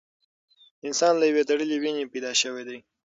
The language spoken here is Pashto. انسان له یوې تړلې وینې پیدا شوی دی.